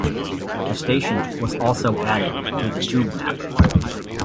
The station was also added to the Tube map.